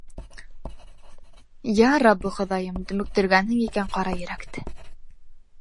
— Ярабби Хоҙайым, дөмөктөргәнһең икән ҡара йөрәкте!